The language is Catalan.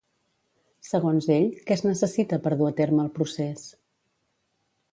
Segons ell, què es necessita per dur a terme el procés?